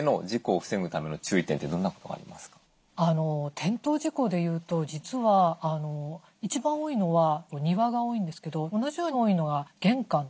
転倒事故でいうと実は一番多いのは庭が多いんですけど同じように多いのが玄関なんですね。